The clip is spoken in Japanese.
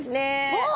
あっ！